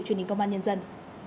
truyền hình công an nhân dân